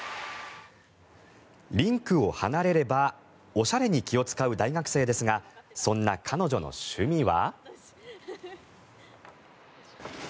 リンクを離れればおしゃれに気を遣う大学生ですがそんな彼女の趣味は。